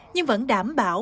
nhưng vẫn đảm bảo